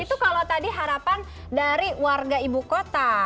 itu kalau tadi harapan dari warga ibu kota